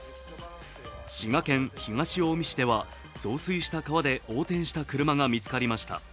滋賀県東近江市では増水した川で横転した車が見つかりました。